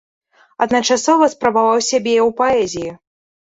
Адначасова спрабаваў сябе ў паэзіі.